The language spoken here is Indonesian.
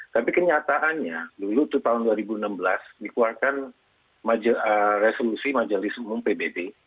tapi kenyataannya dulu itu tahun dua ribu enam belas dikeluarkan resolusi majelis umum pbb